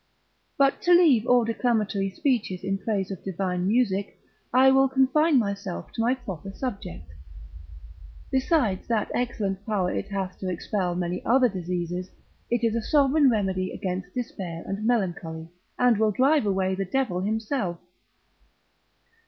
But to leave all declamatory speeches in praise of divine music, I will confine myself to my proper subject: besides that excellent power it hath to expel many other diseases, it is a sovereign remedy against despair and melancholy, and will drive away the devil himself.